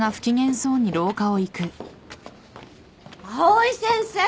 藍井先生！